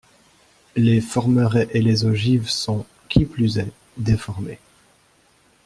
Les formerets et les ogives sont, qui plus est, déformés.